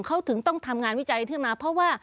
เขาถึงต้องทำงานวิจัยขึ้นมาเพราะว่า